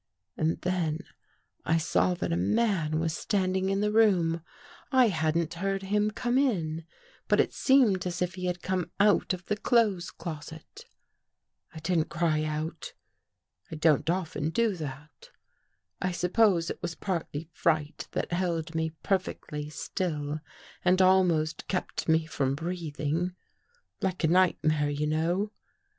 And then I saw that a man was standing in the room. I hadn't heard him come in, but it seemed as if he had come out of the clothes closet. " I didn't cry out. I don't often do that. I suppose it was partly fright that held me perfectly still and almost kept me from breathing — like a nightmare, you know.